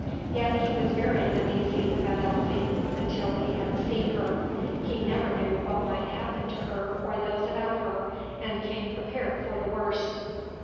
Yet he was very uneasy about Elsie until he had seen her; he never knew what might happen to her or those about her, and came prepared for the worst.